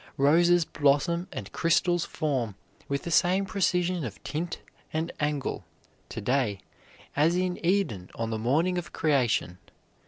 Roses blossom and crystals form with the same precision of tint and angle to day as in Eden on the morning of creation.